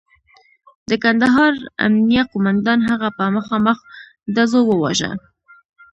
د کندهار امنیه قوماندان هغه په مخامخ ډزو وواژه.